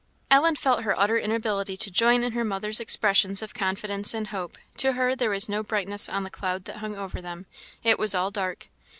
Ellen felt her utter inability to join in her mother's expressions of confidence and hope; to her there was no brightness on the cloud that hung over them it was all dark.